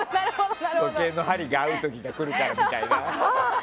時計の針が合う時が来るからみたいな。